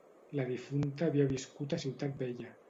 La difunta havia viscut a Ciutat Vella.